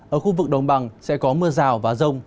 ở khu vực đồng bằng sẽ có mưa rào và rông